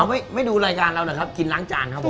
อ้าวเมนูรายการเรานะครับกินล้างจานครับผม